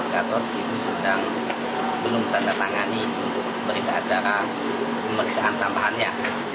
gatot itu sedang belum tanda tangani untuk berita acara pemeriksaan tambahannya